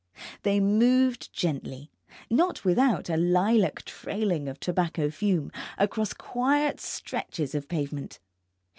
They moved gently, not without a lilac trailing of tobacco fume, across quiet stretches of pavement.